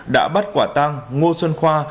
đã bắt quả tăng ngô xuân khoa